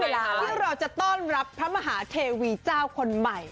ที่เราจะต้อนรับพระมหาเทวีเจ้าคนใหม่